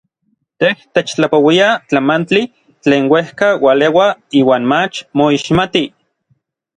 Tej techtlapouia n tlamantli tlen uejka ualeua iuan mach moixmati.